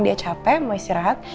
dia capek mau istirahat